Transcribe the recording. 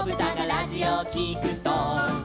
「ラジオをきくと」